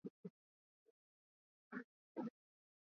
weka mafuta kwenye unga